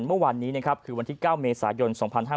เมื่อวันนี้คือวันที่๙เมษายน๒๕๕๙